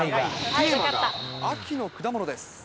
テーマが秋の果物です。